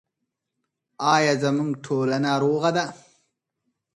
آیا زموږ ټولنه روغه ده؟